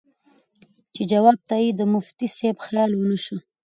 چې جواب ته ئې د مفتي صېب خيال ونۀ شۀ